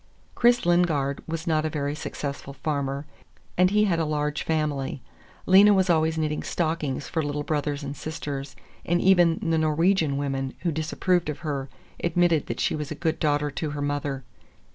Chris Lingard was not a very successful farmer, and he had a large family. Lena was always knitting stockings for little brothers and sisters, and even the Norwegian women, who disapproved of her, admitted that she was a good daughter to her mother.